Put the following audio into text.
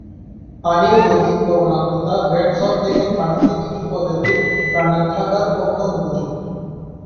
পানির অধিক লবণাক্ততা great salt লেকের পানিতে কিছু প্রজাতির প্রাণীর থাকার পক্ষে অনুপযোগী।